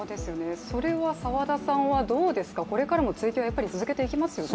それは澤田さんはこれからも追及は続けていきますよね。